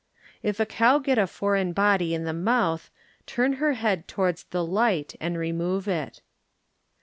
If a cow get a foreign body in the mouth turn her head towards the light and remove it.